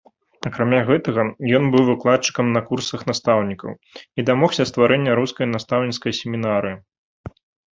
Акрамя гэтага ён быў выкладчыкам на курсах настаўнікаў і дамогся стварэння рускай настаўніцкай семінарыі.